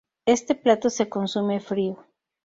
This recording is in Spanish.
Este plato se consume frío.